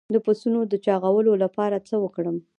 د پسونو د چاغولو لپاره څه ورکړم؟